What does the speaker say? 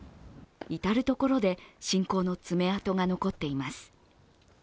至る所で侵攻の爪痕が残っています。